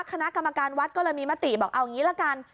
คณะกรรมการวัดก็เลยมีมติบอกเอาอย่างนี้ละกัน